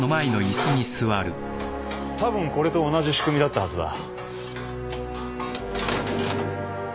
多分これと同じ仕組みだったはずだ。